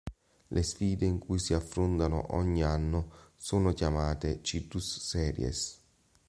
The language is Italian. Le sfide in cui si affrontano ogni anno sono chiamate "Citrus Series".